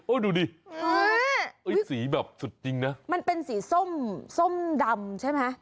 ดูดิสีแบบสุดจริงนะมันเป็นสีส้มส้มดำใช่ไหม